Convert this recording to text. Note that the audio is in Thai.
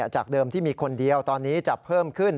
จากเดิมที่มีคนเดียวตอนนี้จะเพิ่มขึ้น